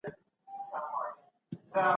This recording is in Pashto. ايتمولوژي يو مهم علم دی.